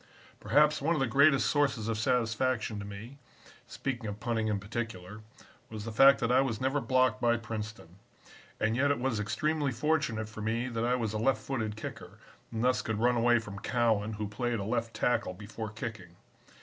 "Perhaps one of the greatest sources of satisfaction to me, speaking of punting in particular, was the fact that I was never blocked by Princeton. And yet it was extremely fortunate for me that I was a left footed kicker and thus could run away from Cowan, who played a left tackle before kicking.